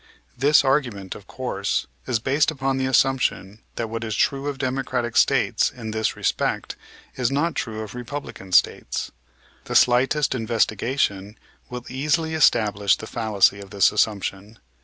This argument, of course, is based upon the assumption that what is true of Democratic States in this respect is not true of Republican States. The slightest investigation will easily establish the fallacy of this assumption.